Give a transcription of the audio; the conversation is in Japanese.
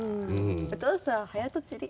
お父さん早とちり。